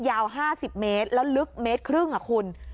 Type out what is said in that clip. ยาว๕๐เมตรแล้วลึก๑๕เมตรคุณ